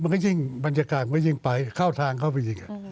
มันก็ยิ่งบรรยากาศมันก็ยิ่งไปเข้าทางเข้าไปอีก